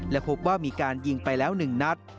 และพบว่ามีการยิงไปแล้ว๑นัด